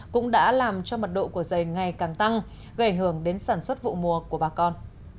cũng đã làm cho mật độ của dày ngày càng tăng gây ảnh hưởng đến sản xuất vụ mùa của bà con